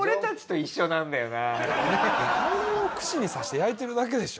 あれを串に刺して焼いてるだけでしょ？